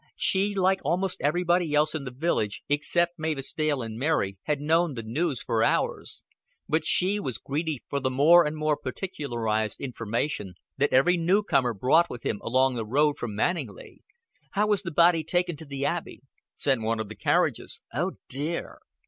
She, like almost everybody else in the village except Mavis Dale and Mary, had known the news for hours; but she was greedy for the more and more particularized information that every newcomer brought with him along the road from Manninglea. "How was the body taken to the Abbey?" "Sent one of the carriages." "Oh, dear!"